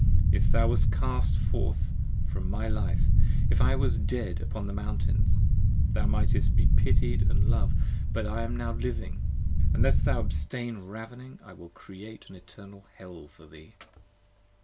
If thou wast cast forth from my life: if I was dead upon the mountains Thou mightest be pitied & Jov'd: but now I am living: unless Thou abstain ravening I will create an eternal Hell for thee.